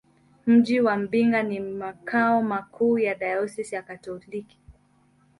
Mji wa Mbinga ni makao makuu ya dayosisi ya Kikatoliki.